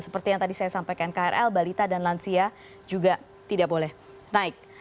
seperti yang tadi saya sampaikan krl balita dan lansia juga tidak boleh naik